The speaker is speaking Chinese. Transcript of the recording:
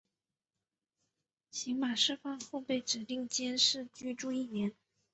刑满释放后被指定监视居住一年。